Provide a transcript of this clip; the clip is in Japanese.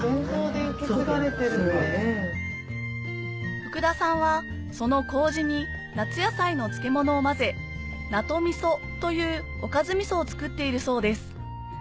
福田さんはその麹に夏野菜の漬物を混ぜ「なとみそ」というおかずみそを作っているそうです